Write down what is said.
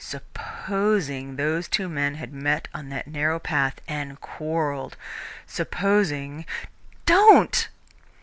Supposing those two men had met on that narrow path and quarrelled! Supposing " "Don't!"